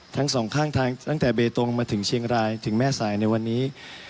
ทั้งสองข้างทางตั้งแต่เบตงมาถึงเชียงรายถึงแม่สายในวันนี้